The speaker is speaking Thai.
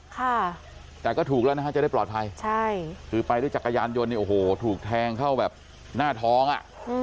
ค่ะแต่ก็ถูกแล้วนะฮะจะได้ปลอดภัยใช่คือไปด้วยจักรยานยนต์เนี่ยโอ้โหถูกแทงเข้าแบบหน้าท้องอ่ะอืม